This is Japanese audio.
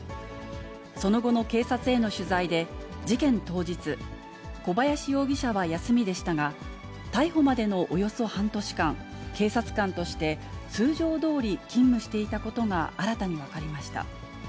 その後の警察への取材で、事件当日、小林容疑者は休みでしたが、逮捕までのおよそ半年間、警察官として通常どおり勤務していたことが新たに分かりました。